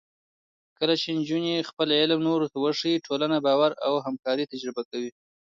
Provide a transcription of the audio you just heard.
کله چې نجونې خپل علم نورو ته وښيي، ټولنه باور او همکارۍ تجربه کوي.